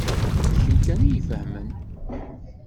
D kemm kan i y-ifehmen.